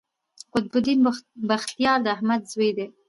قطب الدین بختیار د احمد زوی دﺉ.